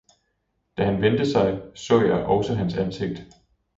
Da han vendte sig, så jeg også hans ansigt.